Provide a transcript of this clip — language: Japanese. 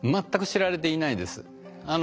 全く知られていないです。